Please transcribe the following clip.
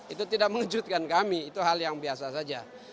itu tidak mengejutkan kami itu hal yang biasa saja